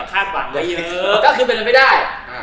ก็คิดเป็นอะไรไม่ได้